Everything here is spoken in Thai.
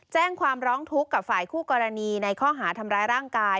แจ้งความร้องทุกข์กับฝ่ายคู่กรณีในข้อหาทำร้ายร่างกาย